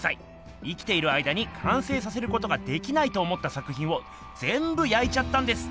生きている間に完成させることができないと思った作品をぜんぶ焼いちゃったんです。